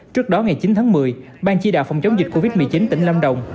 trước đó ngày chín tháng một mươi ban chỉ đạo phòng chống dịch covid một mươi chín tỉnh lâm đồng